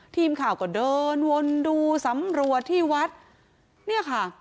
ทีมข่าวก็เดินวนดูสำรวจที่วัดเนี่ยค่ะ